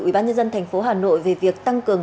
ủy ban nhân dân tp hà nội về việc tăng cường